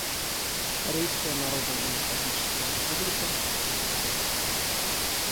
Корейская Народно-Демократическая Республика, Пакистан.